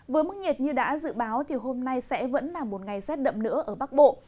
với mức nhiệt như đã dự báo thì hôm nay sẽ vẫn là một ngày rét đậm nữa ở bắc bộ